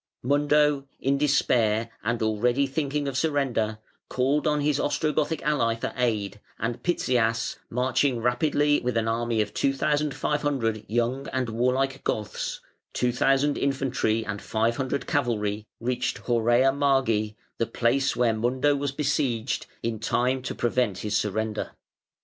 Mundo, in despair and already thinking of surrender, called on his Ostrogothic ally for aid, and Pitzias, marching rapidly with an army of 2,500 young and warlike Goths (2,000 infantry and 500 cavalry), reached Horrea Margi, the place where Mundo was besieged, in time to prevent his surrender.